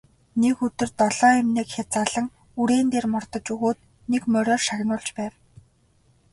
Нэг өдөр долоон эмнэг хязаалан үрээн дээр мордож өгөөд нэг мориор шагнуулж байв.